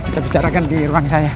kita bicarakan di ruang saya